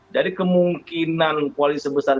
jadi kemungkinan koalisi besar